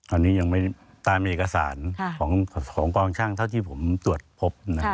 อันนี้ยังไม่ตามเอกสารของกองช่างเท่าที่ผมตรวจพบ